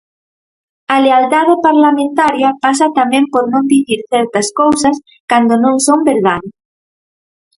A lealdade parlamentaria pasa tamén por non dicir certas cousas cando non son verdade.